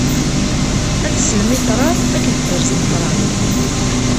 Ad teslem i ṭṭrad akked dderz n ṭṭrad.